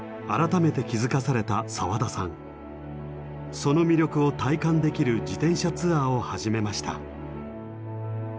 その魅力を体感できる自転車ツアーを始めました。